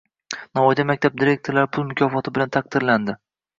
Navoiyda maktab direktorlari pul mukofoti bilan taqdirlandi